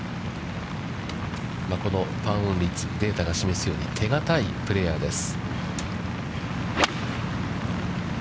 このパーオン率、データが示すように、手堅いプレーヤーです。